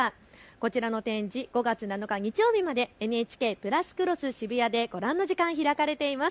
こちらの展示、５月７日日曜日までＮＨＫプラスクロスＳＨＩＢＵＹＡでご覧の時間開かれています。